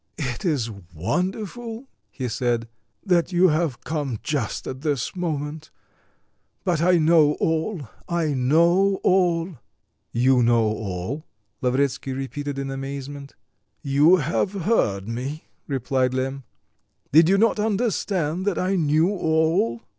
"It is wonderful," he said, "that you have come just at this moment; but I know all, I know all." "You know all?" Lavretsky repeated in amazement. "You have heard me," replied Lemm, "did you not understand that I knew all?"